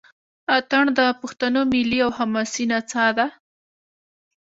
اټن د پښتنو ملي او حماسي نڅا ده.